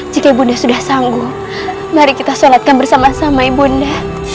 jika ibu nda sudah sanggup mari kita solatkan bersama sama ibu nda